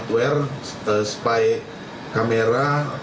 lalu yang ketiga adalah kelompok yang diambil uang